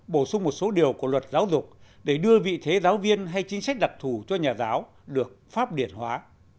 bổ sung một số điều của luật giáo dục để đưa vị thế giáo viên hay chính sách đặc thù cho nhà giáo được pháp điển hóa